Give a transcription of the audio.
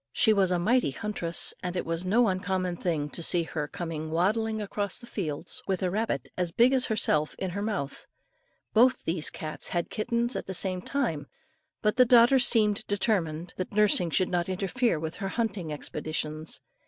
She was a mighty huntress, and it was no uncommon thing, to see her coming waddling across the fields with a rabbit as big as herself in her mouth. Both these cats had kittens at the same time, but the daughter seemed determined, that nursing should not interfere with her hunting expeditions.